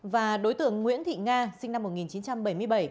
và đối tượng nguyễn thị nga sinh năm một nghìn chín trăm bảy mươi bảy